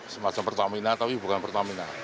semacam pertamina tapi bukan pertamina